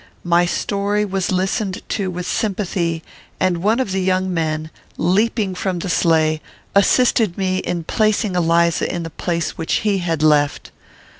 My story was listened to with sympathy, and one of the young men, leaping from the sleigh, assisted me in placing Eliza in the place which he had left.